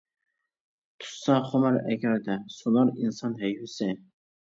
تۇتسا خۇمار ئەگەردە، سۇنار ئىنسان ھەيۋىسى.